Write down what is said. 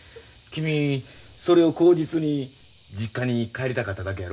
君それを口実に実家に帰りたかっただけやろ。